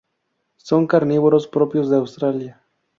Son carnívoros propios de Australia.